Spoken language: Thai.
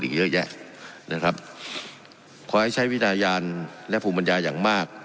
โดดอีกเยอะแยะนะครับขอให้ใช้วินาญาณและภูมิบัญญาอย่างมาก